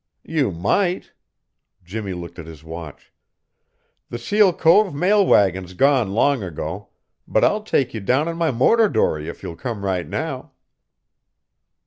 "You might." Jimmie looked at his watch. "The Seal Cove mail wagon's gone long ago, but I'll take you down in my motor dory if you'll come right now."